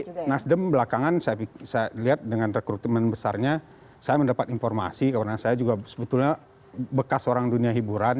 tapi nasdem belakangan saya lihat dengan rekrutmen besarnya saya mendapat informasi karena saya juga sebetulnya bekas orang dunia hiburan